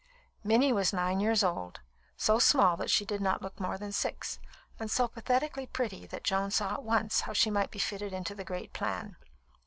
Minnie was nine years old, so small that she did not look more than six, and so pathetically pretty that Joan saw at once how she might be fitted into the great plan.